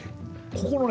ここのね